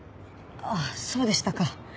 あっそうでしたか。